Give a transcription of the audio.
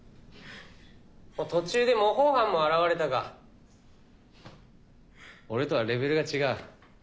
途中で模倣犯も現れたが俺とはレベルが違う。